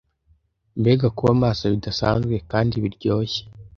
mbega kuba maso bidasanzwe kandi biryoshye